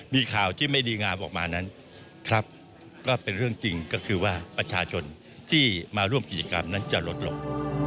มีข่าวที่ไม่ดีงามออกมานั้นครับก็เป็นเรื่องจริงก็คือว่าประชาชนที่มาร่วมกิจกรรมนั้นจะลดลง